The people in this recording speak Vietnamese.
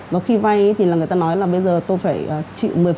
và khi vay thì là người ta nói là bây giờ tôi phải chịu một mươi